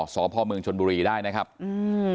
สพเมืองชนบุรีได้นะครับอืม